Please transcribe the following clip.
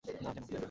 না, কেনো?